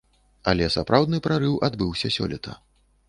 Але сапраўдны прарыў адбыўся сёлета.